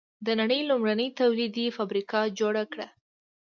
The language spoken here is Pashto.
د نړۍ لومړنۍ تولیدي فابریکه جوړه کړه.